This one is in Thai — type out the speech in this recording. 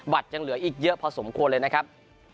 ยังเหลืออีกเยอะพอสมควรเลยนะครับ